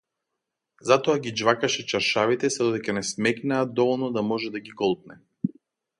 Затоа ги џвакаше чаршафите сѐ додека не смекнеа доволно да може да ги голтне.